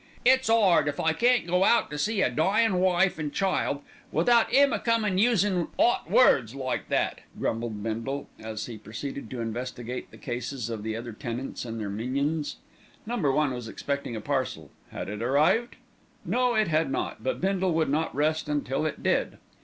"It's 'ard if I can't go out to see a dyin' wife an' child, without 'im a comin' usin' 'ot words like that," grumbled Bindle, as he proceeded to investigate the cases of the other tenants and their minions. Number One was expecting a parcel. Had it arrived? No, it had not, but Bindle would not rest until it did.